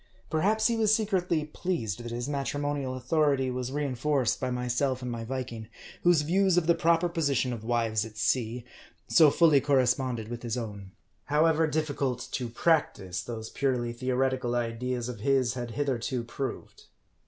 Perhaps he was secretly pleased that his matrimonial authority was rein forced by myself and my Viking, whose views of the proper position of wives at sea, so fully corresponded with his own ; however difficult to practice, those purely theoretical ideas of his had hitherto proved.